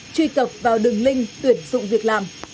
truy cập vào đường link tuyển dụng việc làm